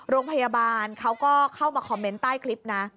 โรงพยาบาลเขาก็เข้ามาคอมเมนต์ใต้คลิปนะ